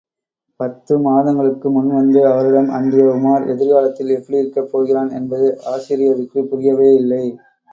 பத்து மாதங்களுக்கு முன்வந்து அவரிடம் அண்டிய உமார் எதிர்காலத்தில் எப்படியிருக்கப் போகிறான் என்பது ஆசிரியருக்குப் புரியவேயில்லை.